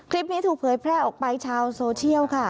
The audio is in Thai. คลิปนี้ถูกเผยแพร่ออกไปชาวโซเชียลค่ะ